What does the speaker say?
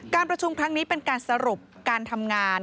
ประชุมครั้งนี้เป็นการสรุปการทำงาน